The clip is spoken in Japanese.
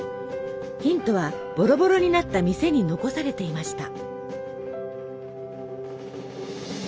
ヒントはボロボロになった店に残されていました。